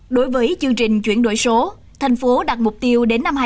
đối với chương trình chuyển đổi số tp hcm đặt mục tiêu đến năm hai nghìn hai mươi năm